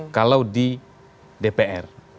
kalau di dpr